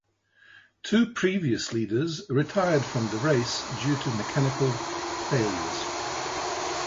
Two previous leaders retired from the race due to mechanical failures.